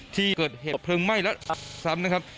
ที่เกิดเหตุเพลิงไหม้และซ้ำนะครับ